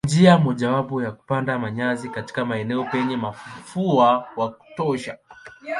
Njia mojawapo ni kupanda manyasi katika maeneo penye mvua wa kutosha.